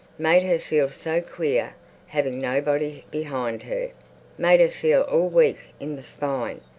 Made her feel so queer, having nobody behind her. Made her feel all weak in the spine.